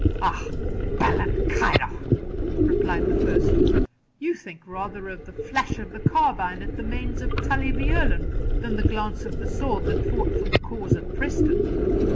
'Ah! Ballenkeiroch,' replied the first, 'you think rather of the flash of the carbine at the mains of Tully Veolan than the glance of the sword that fought for the cause at Preston.'